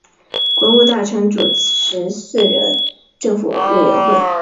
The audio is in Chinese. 国务大臣主持四人政府委员会。